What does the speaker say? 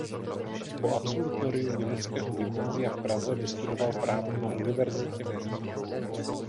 Po absolutoriu německého gymnázia v Praze vystudoval práva na univerzitě ve Vídni.